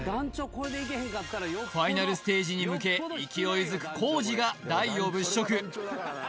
ファイナルステージに向け勢いづく皇治が台を物色